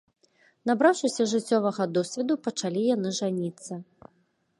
Набраўшыся жыццёвага досведу, пачалі яны жаніцца.